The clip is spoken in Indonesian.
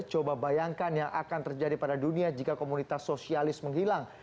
coba bayangkan yang akan terjadi pada dunia jika komunitas sosialis menghilang